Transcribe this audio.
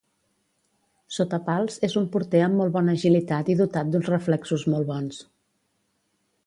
Sota pals és un porter amb molt bona agilitat i dotat d'uns reflexos molt bons.